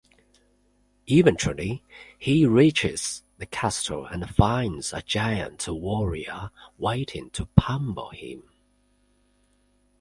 Eventually, he reaches the castle and finds a giant Wario waiting to pummel him.